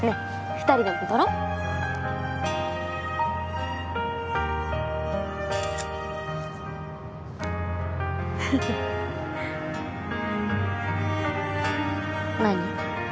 ２人でも撮ろう何？